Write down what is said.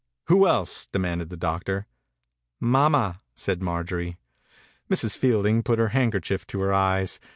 "Who else?" demanded the doctor. "Mamma," said Marjorie. Mrs. Fielding put her hand kerchief to her eyes.